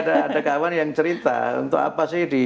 ada kawan yang cerita untuk apa sih di